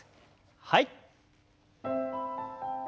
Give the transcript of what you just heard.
はい。